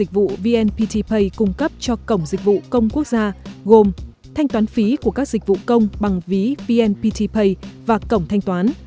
vnpt pay cung cấp cho cổng dịch vụ công quốc gia gồm thanh toán phí của các dịch vụ công bằng ví vnpt pay và cổng thanh toán